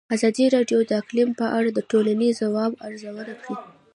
ازادي راډیو د اقلیم په اړه د ټولنې د ځواب ارزونه کړې.